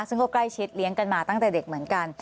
ซึ่งก็ใกล้ชิดเลี้ยงกันมาตั้งแต่เด็กเหมือนกัน